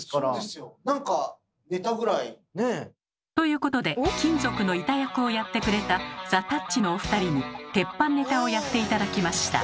ねえ？ということで金属の板役をやってくれたザ・たっちのお二人に鉄板ネタをやって頂きました。